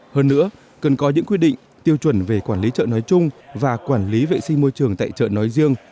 hơn nữa cần có những quy định tiêu chuẩn về quản lý chợ nói chung và quản lý vệ sinh môi trường tại chợ nói riêng